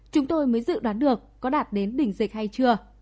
chúng tôi mới dự đoán được có đạt đến đỉnh dịch hay chưa